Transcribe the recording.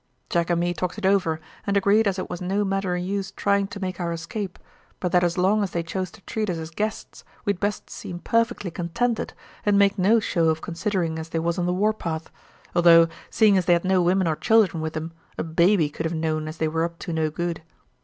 "Jack and me talked it over and agreed as it was no manner o' use trying to make our escape, but that as long as they chose to treat us as guests we'd best seem perfectly contented and make no show of considering as they was on the war path; although, seeing as they had no women or children with 'em, a baby could have known as they were up to no good.